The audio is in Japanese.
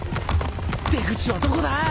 出口はどこだ！？